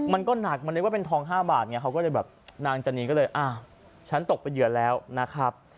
มันก็หนักมันนึกว่าเป็นทอง๕บาทไงเขาก็เลยแบบนางจนีก็เลยอ้าวฉันตกเป็นเหยื่อแล้วนะครับ